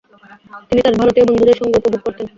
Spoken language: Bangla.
তিনি তার ভারতীয় বন্ধুদের সঙ্গ উপভোগ করতেন।